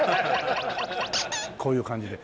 こういう感じで。